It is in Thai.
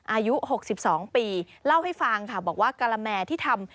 อายุ๖๒ปีเล่าให้ฟังค่ะบอกว่ากะละแมที่ทำ